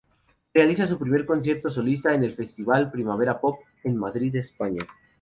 Realiza su primer concierto solista en el festival "Primavera Pop", en Madrid, España.